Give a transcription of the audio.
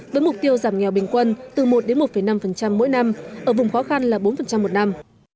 với mục tiêu giảm nghèo bình quân từ một đến một năm mỗi năm ở vùng khó khăn là bốn một năm